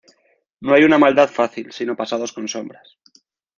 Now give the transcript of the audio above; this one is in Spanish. No hay una maldad fácil, sino pasados con sombras.